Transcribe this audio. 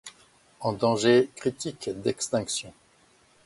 En danger critique d’extinction.